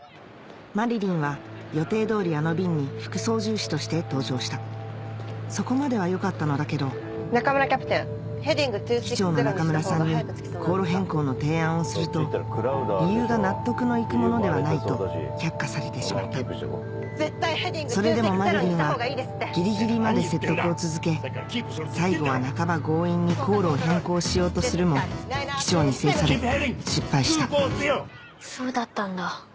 まりりんは予定通りあの便に副操縦士として搭乗したそこまではよかったのだけど中村キャプテン機長の中村さんに航路変更の提案をすると理由が納得のいくものではないと却下されてしまったそれでもまりりんはギリギリまで説得を続け最後は半ば強引に航路を変更しようとするも機長に制され失敗したそうだったんだ。